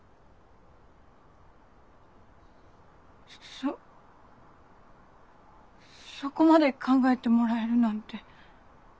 そそこまで考えてもらえるなんて。